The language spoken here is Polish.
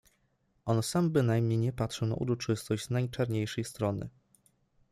On sam bynajmniej nie patrzył na uroczystość z najczarniejszej strony.